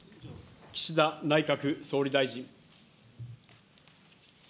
岸田内閣総理大臣。